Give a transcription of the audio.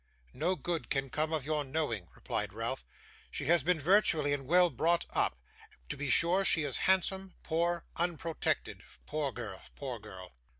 'No good can come of your knowing,' replied Ralph. 'She has been virtuously and well brought up; to be sure she is handsome, poor, unprotected! Poor girl, poor girl.